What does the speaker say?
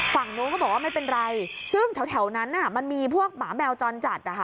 ฝั่งนู้นเขาบอกว่าไม่เป็นไรซึ่งแถวนั้นมันมีพวกหมาแมวจรจัดนะคะ